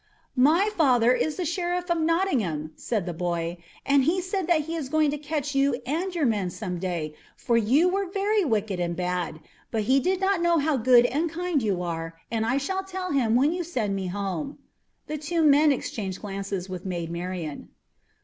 "My father is the Sheriff of Nottingham," said the boy, "and he said that he was going to catch you and your men some day, for you were very wicked and bad. But he did not know how good and kind you are, and I shall tell him when you send me home." The two men exchanged glances with Maid Marian.